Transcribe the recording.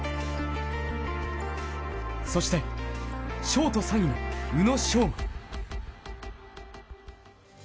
そしてショート３位の宇野昌磨。